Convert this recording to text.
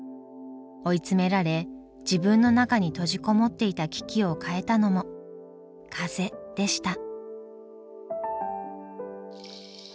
追い詰められ自分の中に閉じ籠もっていたキキを変えたのも風でした。